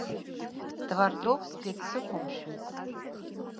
Твардовски дсықәымшәеит.